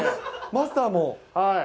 マスターも？